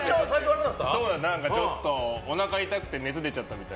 おなか痛くて熱出ちゃったみたい。